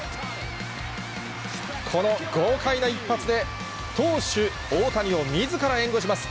この豪快な一発で、投手、大谷をみずから援護します。